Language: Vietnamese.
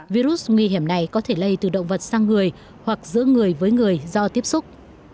virus nguy hiểm này có thể lây từ động vật sang người hoặc giữa người với người do tiếp xúc